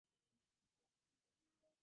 কী তোমার সাধ্য!